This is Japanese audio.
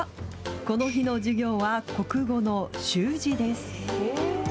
この日の授業は、国語の習字です。